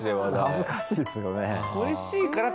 恥ずかしいですよね。